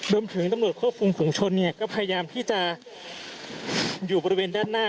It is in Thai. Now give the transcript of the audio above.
ตำรวจควบคุมฝุงชนเนี่ยก็พยายามที่จะอยู่บริเวณด้านหน้า